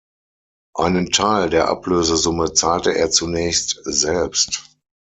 Einen Teil der Ablösesumme zahlte er zunächst selbst.